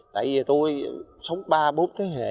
tại vì tôi sống ba bốn thế hệ